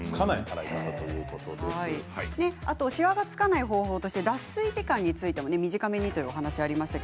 しわがつかない方法として脱水時間も短めにというお話がありました。